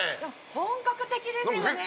本格的ですよね。